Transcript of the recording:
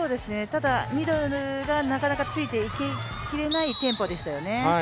ただ、ミドルがなかなかついていけきれないテンポでしたよね。